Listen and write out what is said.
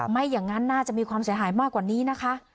ไม่อย่างนั้นน่าจะมีความเสียหายมากกว่านี้นะคะ